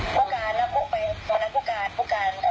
ผู้การนับผู้เป็นผู้นับผู้การผู้การนับผู้เป็น